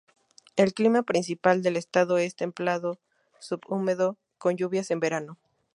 El clima principal del estado es templado subhúmedo con lluvias en verano.